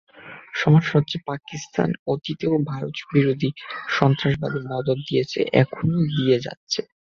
সমস্যা হচ্ছে, পাকিস্তান অতীতেও ভারতবিরোধী সন্ত্রাসবাদে মদদ দিয়েছে, এখনো দিয়ে যাচ্ছে।